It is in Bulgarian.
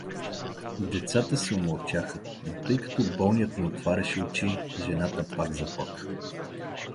Децата се умълчаха, но тъй като болният не отваряше очи, жената пак заплака.